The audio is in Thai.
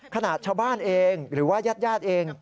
ขณะชาวบ้านเองหรือว่ายาดเอง